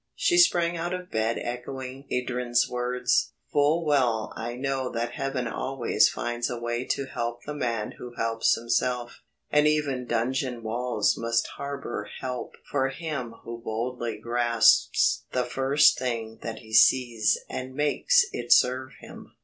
She sprang out of bed echoing Edryn's words: "Full well I know that Heaven always finds a way to help the man who helps himself, and even dungeon walls must harbour help for him who boldly grasps the first thing that he sees and makes it serve him!"